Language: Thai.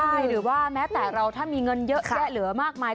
ใช่หรือว่าแม้แต่เราถ้ามีเงินเยอะแยะเหลือมากมาย